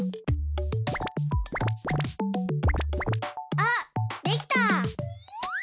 あっできた！